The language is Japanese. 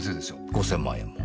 ５０００万円も？